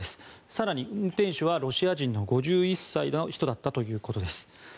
更に運転手はロシア人の５１歳の人だったということです。